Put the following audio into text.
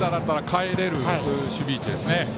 かえれる守備位置ですね。